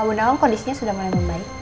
bunda awang kondisinya sudah mulai membaik